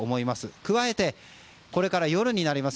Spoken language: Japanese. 加えて、これから夜になります。